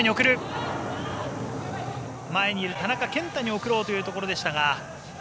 前にいる田中健太に送ろうというところでした。